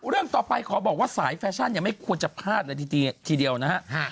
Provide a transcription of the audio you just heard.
เรื่องต่อไปขอบอกว่าสายแฟชั่นยังไม่ควรจะพลาดเลยทีเดียวนะฮะ